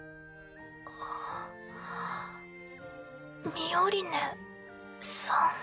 ミオリネさん。